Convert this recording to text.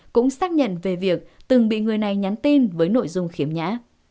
cũng xác nhận về việc từng bị người này nhắn tin với nội dung khiếm nhã